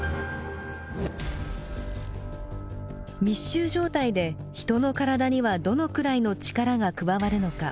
密集状態で人の体にはどのくらいの力が加わるのか。